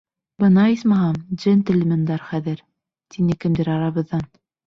Бына, исмаһам, джентельмендар хәҙер! — тине кемдер арабыҙҙан.